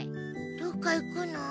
どっか行くの？